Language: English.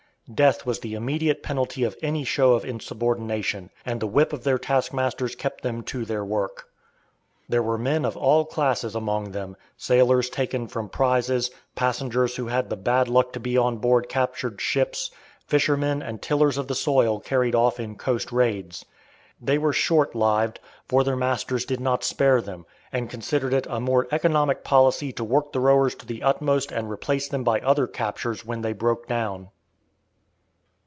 Death was the immediate penalty of any show of insubordination, and the whip of their taskmasters kept them to their work. There were men of all classes among them, sailors taken from prizes, passengers who had the bad luck to be on board captured ships, fishermen and tillers of the soil carried off in coast raids. They were short lived, for their masters did not spare them, and considered it a more economic policy to work the rowers to the utmost and replace them by other captures when they broke down.